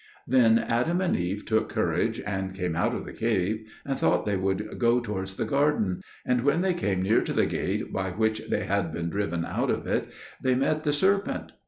Then Adam and Eve took courage, and came out of the cave, and thought they would go towards the garden; and when they came near to the gate by which they had been driven out of it, they met the serpent.